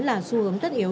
là xu hướng tất yếu